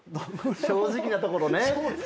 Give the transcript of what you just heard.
正直なところね。